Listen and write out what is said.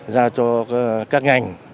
giao cho các ngành